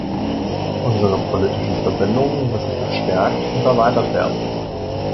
Unsere politischen Verbindungen müssen verstärkt und erweitert werden.